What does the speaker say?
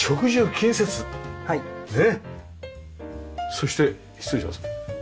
そして失礼します。